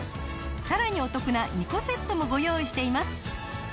さらにお得な２個セットもご用意しています。